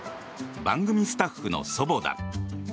番組スタッフの祖母だ。